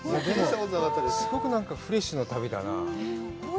すごくなんかフレッシュな旅だなあ。